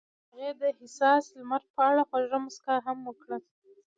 هغې د حساس لمر په اړه خوږه موسکا هم وکړه.